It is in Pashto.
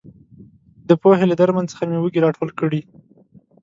د پوهې له درمن څخه مې وږي راټول کړي.